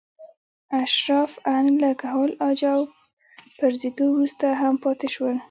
اشراف ان له کهول اجاو پرځېدو وروسته هم پاتې شول.